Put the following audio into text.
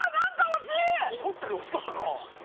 思ったより惜しかったな。